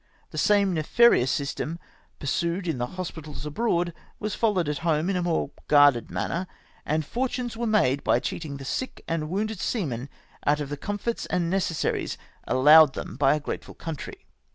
The same nefarious system pursued in the hospitals abroad was followed at home in a more guarded manner, and fo7'tunes ivere made by cheating the sick and wounded seamen out of the comforts and necessaries allowed them by a grateful country.